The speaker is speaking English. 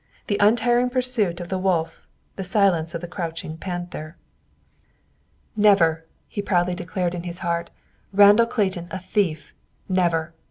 The untiring pursuit of the wolf, the silence of the crouching panther! "Never!" he proudly declared in his heart. "Randall Clayton a thief! Never!